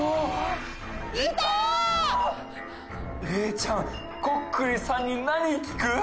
礼ちゃんこっくりさんに何聞く？